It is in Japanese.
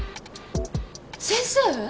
先生？